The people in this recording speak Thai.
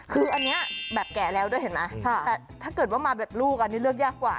คืออันนี้แบบแก่แล้วด้วยเห็นไหมแต่ถ้าเกิดว่ามาแบบลูกอันนี้เลือกยากกว่า